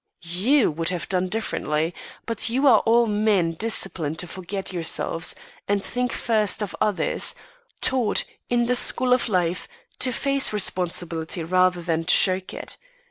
You would have done differently; but you are all men disciplined to forget yourselves and think first of others, taught, in the school of life to face responsibility rather than shirk it.